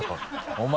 お前！